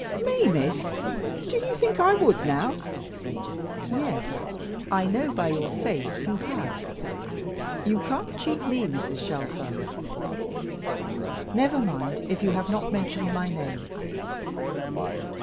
"Me, Miss! Do you think I would now?" "Yes; I know by your face you have. You can't cheat me, Mrs. Shelfer. Never mind, if you have not mentioned my name."